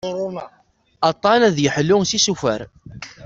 Aṭṭan-a ad yeḥlu s isufar.